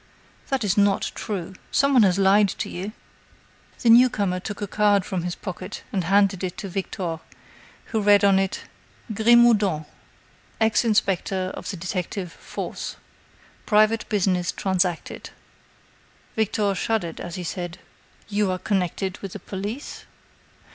"That's not true! Some one has lied to you." The new comer took a card from his pocket and handed it to Victor, who read on it: "Grimaudan, ex inspector of the detective force. Private business transacted." Victor shuddered as he said: "You are connected with the police?"